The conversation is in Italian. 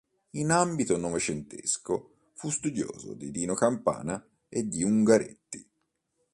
In ambito novecentesco fu studioso di Dino Campana e di Ungaretti.